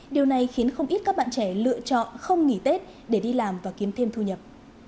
điều này khiến không ít các bạn trẻ lựa chọn không nghỉ tết để đi làm và kiếm thêm thu nhập